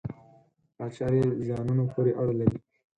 دا چارې زیانونو پورې اړه لري.